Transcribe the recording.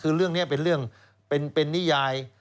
คือเรื่องนี้เป็นเรื่องเป็นนิยาย